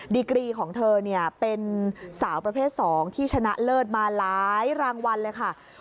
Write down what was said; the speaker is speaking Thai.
ดีกรีของเธอเป็นสาวประเภท๒ที่ชนะเลิศมาหลายรางวัลเลยค่ะ